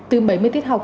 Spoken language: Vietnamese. từ bảy mươi tiết học